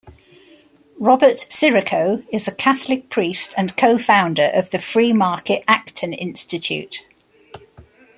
Robert Sirico is a Catholic priest and co-founder of the free-market Acton Institute.